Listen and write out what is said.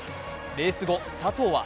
レース後、佐藤は